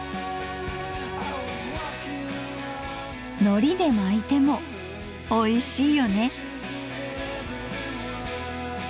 のりで巻いてもおいしいよね。